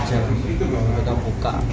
saja kita buka